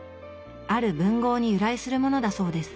ある文豪に由来するものだそうです。